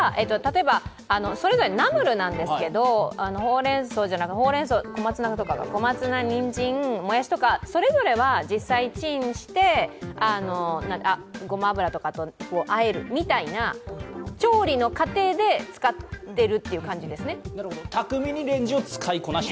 それはナムルなんですけどほうれんそう、小松菜、にんじんとかそれぞれは実際チンして、ごま油などとあえるみたいな調理の過程で使っているという感じですね。